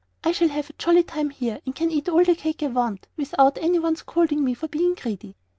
I shall have a jolly time here, and can eat all the cake I want, without any one scolding me for being greedy."